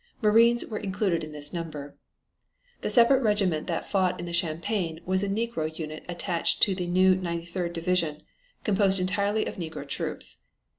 Marines were included in this number. The separate regiment that fought in the Champagne was a negro unit attached to the new 93d Division, composed entirely of negro troops.